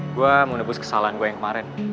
gue menebus kesalahan gue yang kemarin